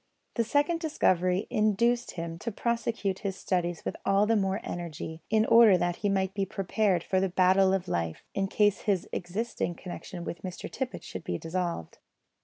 This second discovery induced him to prosecute his studies with all the more energy, in order that he might be prepared for the battle of life, in case his existing connection with Mr Tippet should be dissolved.